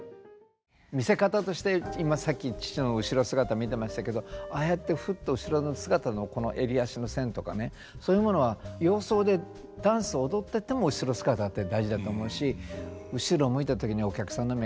見せ方として今さっき父の後ろ姿見てましたけどああやってふっと後ろ姿のこの襟足の線とかねそういうものは洋装でダンス踊ってても後ろ姿って大事だと思うし。